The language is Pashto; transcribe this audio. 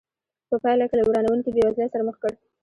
په پایله کې له ورانوونکې بېوزلۍ سره مخ کړ.